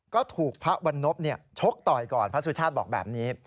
ก็ถูกพระวันนพชกต่อยก่อนพระสุชาติบอกแบบนี้